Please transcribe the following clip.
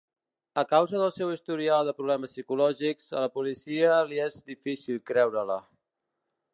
A causa del seu historial de problemes psicològics, a la policia li és difícil creure-la.